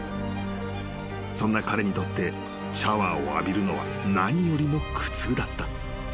［そんな彼にとってシャワーを浴びるのは何よりも苦痛だった］